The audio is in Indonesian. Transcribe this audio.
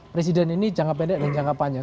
presiden ini jangka pendek dan jangka panjang